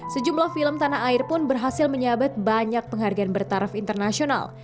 sejumlah film tanah air pun berhasil menyabet banyak penghargaan bertaraf internasional